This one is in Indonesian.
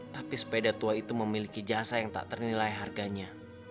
tapi sepeda tua itu memiliki jasa yang tak ternilai harganya